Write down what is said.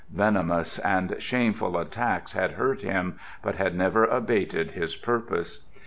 Venomous and shameful attacks had hurt him, but had never abated his purpose.